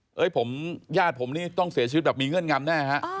ญาติผมนี่ต้องเสียชีวิตแบบมีเงื่อนงำแน่ฮะ